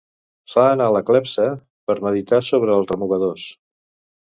Fa anar la clepsa per meditar sobre els remugadors.